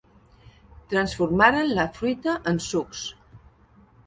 Transformarem la fruita en sucs.